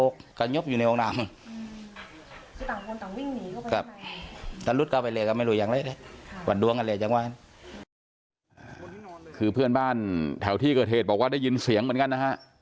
คือเพื่อนบ้านแถวที่เกิดเหตุบอกว่าได้ยินเสียงเหมือนกันนะฮะ